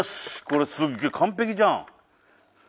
これすげえ完璧じゃん。